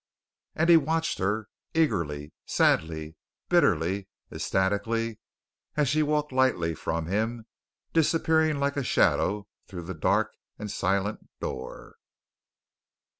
And he watched her eagerly, sadly, bitterly, ecstatically, as she walked lightly from him, disappearing like a shadow through the dark and silent door.